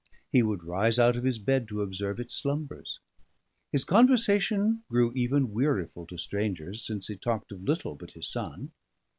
he would rise out of his bed to observe its slumbers. His conversation grew even wearyful to strangers, since he talked of little but his son.